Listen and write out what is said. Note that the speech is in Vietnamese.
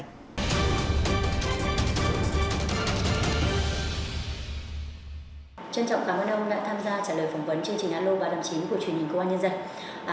chân trọng cảm ơn ông đã tham gia trả lời phỏng vấn chương trình aloba tám mươi chín